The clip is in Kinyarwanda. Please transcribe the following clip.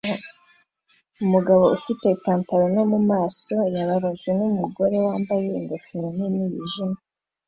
Umugabo ufite ipanaro no mumaso yababajwe numugore wambaye ingofero nini yijimye